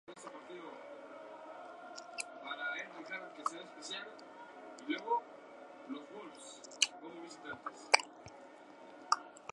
Gerardo introdujo la cabeza debajo del agua helada